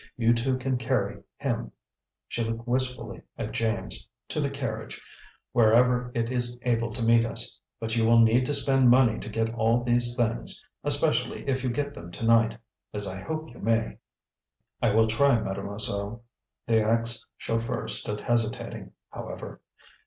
You two can carry him" she looked wistfully at James "to the carriage, wherever it is able to meet us. But you will need to spend money to get all these things; especially if you get them to night, as I hope you may." "I will try, Mademoiselle." The ex chauffeur stood hesitating, however.